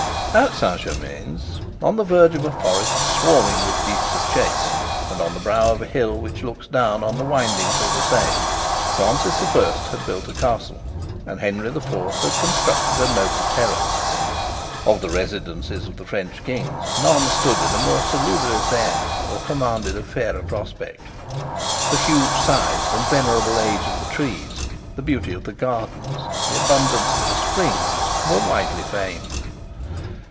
At Saint Germains, on the verge of a forest swarming with beasts of chase, and on the brow of a hill which looks down on the windings of the Seine, Francis the First had built a castle, and Henry the Fourth had constructed a noble terrace. Of the residences of the French kings none stood in a more salubrious air or commanded a fairer prospect. The huge size and venerable age of the trees, the beauty of the gardens, the abundance of the springs, were widely famed.